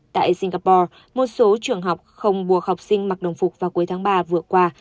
tại singapore một số trường học không buộc học sinh mặc đồng phục vào cuối tháng ba vừa qua